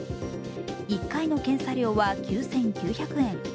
１回の検査料は９９００円。